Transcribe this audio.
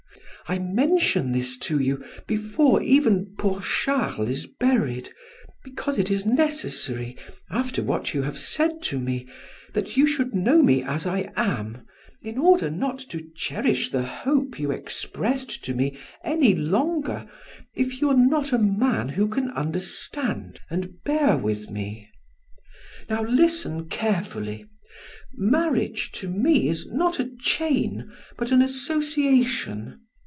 I mention this to you before even poor Charles is buried, because it is necessary, after what you have said to me, that you should know me as I am, in order not to cherish the hope you expressed to me any longer, if you are not a man who can understand and bear with me." "Now listen carefully: Marriage, to me, is not a chain but an association.